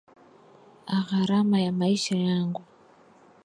Gharama ya maisha yangu.